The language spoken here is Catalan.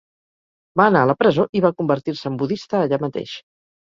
Va anar a la presó i va convertir-se en budista allà mateix.